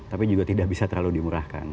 tapi juga tidak bisa terlalu dimurahkan